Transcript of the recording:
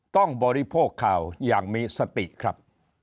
บริโภคข่าวอย่างมีสติครับ